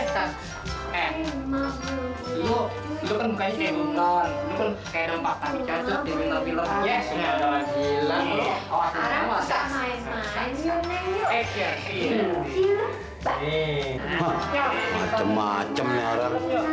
hah macem macem nyara